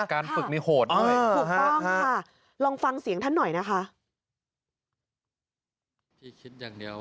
การฝึกนี่โหดด้วย